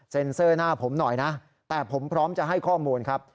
เซอร์หน้าผมหน่อยนะแต่ผมพร้อมจะให้ข้อมูลครับ